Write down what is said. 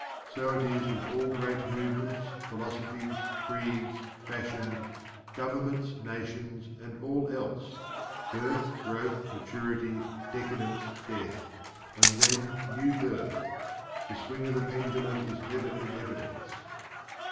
So it is with all great movements, philosophies, creeds, fashions, governments, nations, and all else birth, growth, maturity, decadence, death and then new birth. The swing of the pendulum is ever in evidence.